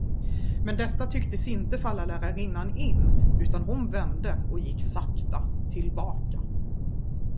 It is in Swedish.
Men detta tycktes inte falla lärarinnan in, utan hon vände och gick sakta tillbaka.